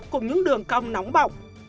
cùng những đường cong nóng bọc